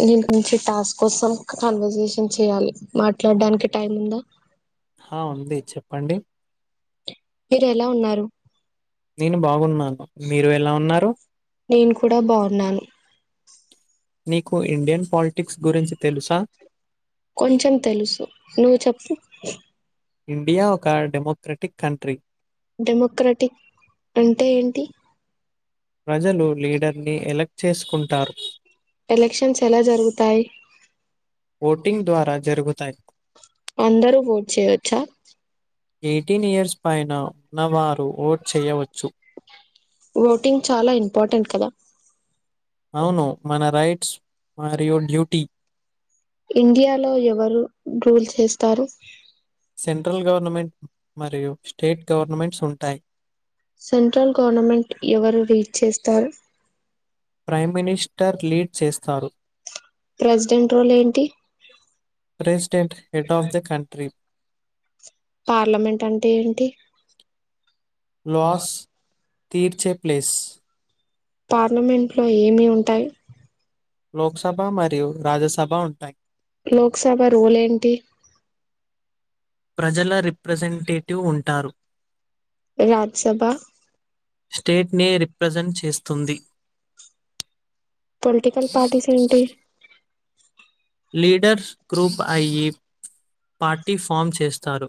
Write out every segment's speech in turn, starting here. దీని గురించి టాస్క్ కోసం కాన్వర్సేషన్ చేయాలి మాట్లాడడానికి టైం ఉందా. ఆ ఉంది చెప్పండి. మీరు ఎలా ఉన్నారు. నేను బాగున్నాను. మీరు ఎలా ఉన్నారు నేను కూడా బావున్నాను. నీకు ఇండియన్ పాలి కొంచెం తెలుసు. నువ్వు చెప్పు. ఇండియా ఒక డెమోక్రటిక్ కంట్రీ. డెమోక్రాటిక్ అంటే ఏంటి? ప్రజలు లీడర్ ని ఎలక్ట్ చేసుకుంటారు. ఎలక్షన్స్ ఎలా జరుగుతాయి ఓటింగ్ ద్వారా జరుగుతాయి. అందరూ ఓట్ చేయొచ్చా ఎయిటీన్ ఇయర్స్ పైన ఉన్నవారు ఓట్ చేయవచ్చు. ఓటింగ్ చాలా ఇంపార్టెంట్ కదా అవును మన రైట్ మరియు డ్యూటీ ఇండియాలో ఎవరు రూల్ చేస్తారు? సెంట్రల్ గవర్నమెంట్ మరియు స్టేట్ గవర్నమెంట్స్ ఉంటాయి సెంట్రల్ గవర్నమెంట్ ఎవరు లీడ్ చేస్తారు? ప్రైమ్ మినిస్టర్ లీడ్ చేస్తారు. ప్రెసిడెంట్ రోల్ ఏంటి? President head of the country. Parliament అంటే ఏంటి? లోస్ పార్లమెంట్ లో ఏమి ఉం టాయి. లోక్ సభ మరియు రాజ్య స సభా ఉంటాయి లోక్ సభ రూల్ ఏంటి ప్రజల రిప్రజెంటేటివ్ ఉంటారు రాజ్ సభా స్టేట్ ని రిప్రజెంట్ చేస్తుంది పొలిటికల్ పార్టీస్ ఏంటి లీడర్స్ గ్రూప్ అయ్యి పార్టీ ఫామ్ చేస్తారు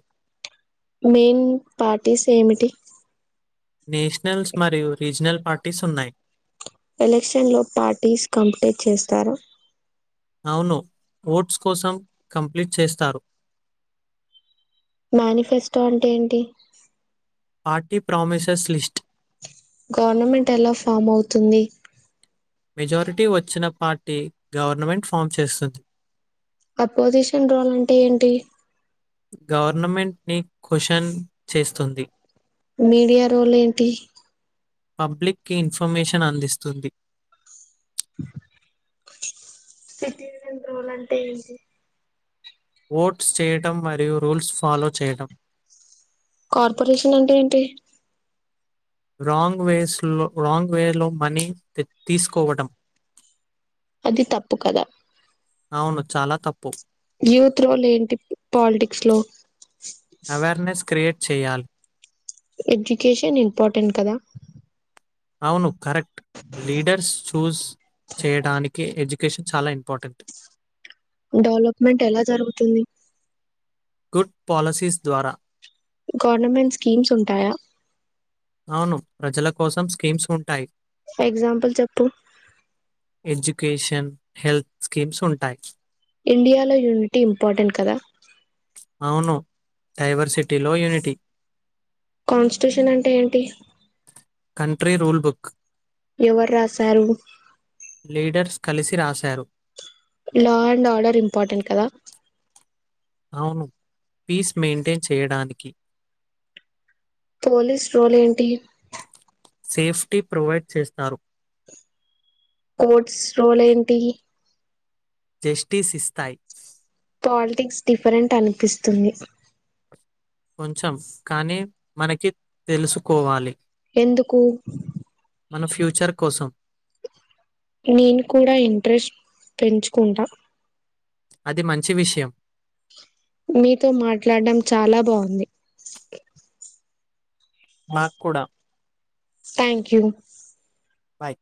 మెయిన్ పార్టీస్ ఏమిటి నేషనల్స్ మరియు రీజనల్ పార్టీస్ ఉన్నాయి. ఎలక్షన్ లో పార్టీస్ కంప్టే చేస్తారా అవును ఓట్స్ కోసం కంప్లీట్ చేస్తారు మానిఫెస్టో అంటే ఏంటి పార్టీ ప్రామిసెస్ లిస్ట్ గవర్నమెంట్ ఎలా ఫామ్ అవుతుంది మెజారిటీ వచ్చిన పార్టీ గవర్నమెంట్ ఫామ్ చేస్తుంది అపోజిషన్ రోల్ అంటే ఏంటి గవర్నమెంట్ ని క్వచన్ చేస్ స్తుంది మీడియా రోల్ ఏంటి పబ్లిక్ కి ఇన్ఫర్మేషన్ అందిస్తుంది సిటీరి రోల్ అంటే ఏంటి ఓట్స్ చేయటం మరియు రూల్స్ ఫాలో చేయడం కార్పొరేషన్ అంటే ఏంటి రాంగ్ వేస్ లో లాంగ్ వేర్ లో మనీ తె తీసుకోవటం అది తప్పు కద అవును. చాలా తప్పు. యూత్ రోల్ ఏంటి పాలిటిక్స్ లో అవార్నెస్ క్రియేట్ చెయ్యాల్ ఎడ్యుకేషన్ ఇంపార్టెంట్ కదా అవును కరెక్ట్ లీడర్స్ చూస్ చేయడానికి ఎడ్జ్ కేషన్ చాలా ఇంపార్టెంట్ డెవలప్మెంట్ ఎలా జరుగుతుంది గుడ్ పాలిసీస్ ద్వారా గవర్నమెంట్ స్కీమ్స్ ఉ ంటాయా అవును ప్రజల కోసం స్కీమ్స్ ఉంటాయి ఎగ్జాంపుల్ చెప్పు ఎడ్యుకేషన్ హెల్త్ స్కీమ్స్ ఉంటాయి ఇండియాలో యూనిటీ ఇంపార్టెంట్ కదా అవును డైవర్సిటీ కాన్స్టిట్యూషన్ అంటే ఏంటి కంట్రి రూల్ బుక్ ఎవరు రాశారు లీడర్స్ కలిసి రాశారు లా అండ్ ఆర్డర్ ఇంపార్టెంట్ కదా అవును పీస్ మెయింటైన్ చేయడానికి పోలీస్ రోల్ ఏంటి సేఫ్టీ ప్రొవైడ్ చేస్తారు కోట్స్ రోల్ ఏంటి జెస్టీస్ ఇస్తాయి పాలిటిక్స్ డిఫరెంట్ అనిపిస్తుంది కొ ంచెం కానీ మనకి తెలుసుకోవాలి ఎందుకు మన ఫ్యూచర్ కోసం నేను కూడా ఇంట్రెస్ట్ పెంచుకుంటా అది మంచి విషయం మీతో మాట్లాడడం చాలా బాగుంది నాక్కూడా థ్యాంక్యూ బాయ్